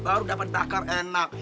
baru dapat takar enak